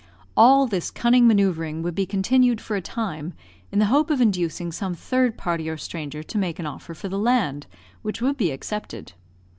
All this cunning manoeuvring would be continued for a time, in the hope of inducing some third party or stranger to make an offer for the land, which would be accepted.